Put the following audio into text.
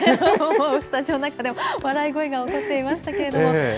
スタジオの中でも笑い声が起こっていましたけれども。